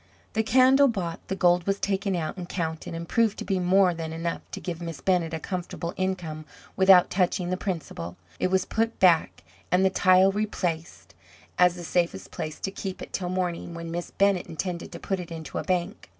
The candle bought, the gold was taken out and counted, and proved to be more than enough to give Miss Bennett a comfortable income without touching the principal. It was put back, and the tile replaced, as the safest place to keep it till morning, when Miss Bennett intended to put it into a bank.